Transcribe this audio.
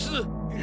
え？